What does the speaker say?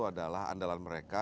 adalah andalan mereka